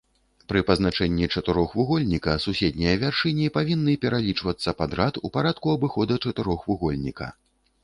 Пры пазначэнні чатырохвугольніка суседнія вяршыні павінны пералічвацца падрад у парадку абыхода чатырохвугольніка.